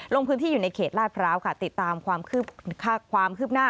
ลงพื้นที่อยู่ในเขตลาดพร้าวค่ะติดตามความคืบหน้า